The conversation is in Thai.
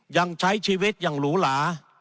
ยังใช้ชีวิตอย่างหรูหลา